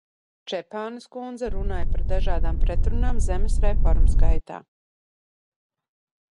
Čepānes kundze runāja par dažādām pretrunām zemes reformas gaitā.